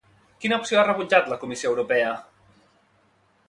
Quina opció ha rebutjat la Comissió Europea?